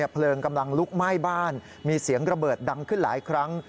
เพลิงกำลังลุกไหม้บ้านมีเสียงระเบิดดังขึ้นหลายครั้ง